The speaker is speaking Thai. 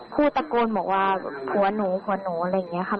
พูดตะโกนบอกว่าผัวหนูผัวหนูอะไรอย่างนี้ค่ะ